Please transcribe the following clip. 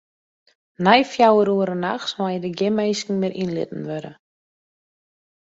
Nei fjouwer oere nachts meie der gjin minsken mear yn litten wurde.